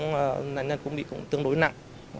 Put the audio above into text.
nạn nhân cũng bị tương đối nặng